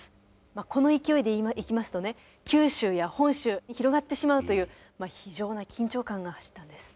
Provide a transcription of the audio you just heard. この勢いでいきますとね九州や本州に広がってしまうという非常な緊張感が走ったんです。